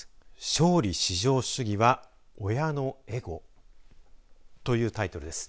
“勝利至上主義”は親のエゴ？というタイトルです。